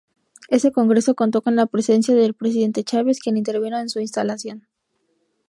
Ese Congreso contó con la presencia del Presidente Chávez, quien intervino en su instalación.